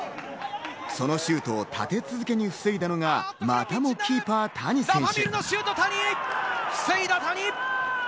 そのシュートを立て続けに防いだのは、またも谷選手。